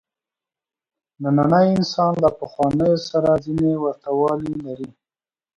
نننی انسان له پخوانیو سره ځینې ورته والي لري.